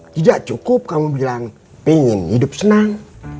tidak cukup kamu bilang pengen hidup senang